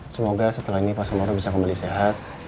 semoga setelah ini pak samaro bisa kembali sehat